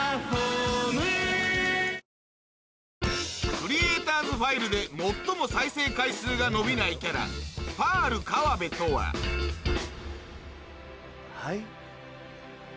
クリエイターズファイルで最も再生回数が伸びないキャラはい。